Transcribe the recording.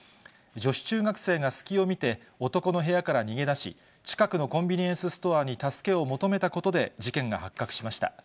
女子中学生が隙を見て、男の部屋から逃げ出し、近くのコンビニエンスストアに助けを求めたことで事件が発覚しました。